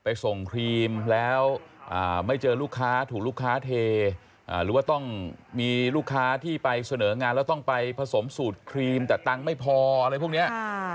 ไปส่งครีมแล้วไม่เจอลูกค้าถูกลูกค้าเทหรือว่าต้องมีลูกค้าที่ไปเสนองานแล้วต้องไปผสมสูตรครีมแต่ตังค์ไม่พออะไรพวกนี้